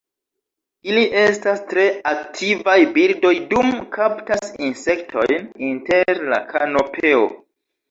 Ili estas tre aktivaj birdoj dum kaptas insektojn inter la kanopeo.